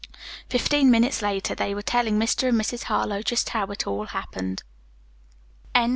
Fifteen minutes later they were telling Mr. and Mrs. Harlowe just how it all happened.